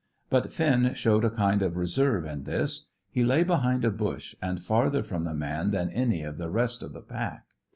But Finn showed a kind of reserve in this. He lay behind a bush, and farther from the man than any of the rest of the pack.